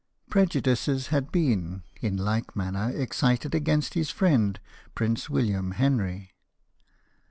Prejudices had been, in like manner, excited against his friend. Prince William Henry.